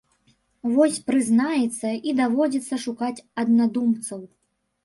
Вось, прызнаецца, і даводзіцца шукаць аднадумцаў.